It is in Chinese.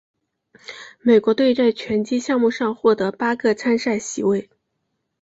美国队在拳击项目上获得八个参赛席位。